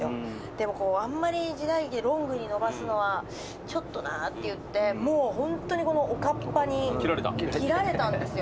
でもあんまり時代劇でロングに伸ばすのはちょっとなっていってホントにおかっぱに切られたんですよ。